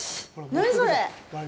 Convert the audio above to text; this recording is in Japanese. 何それ。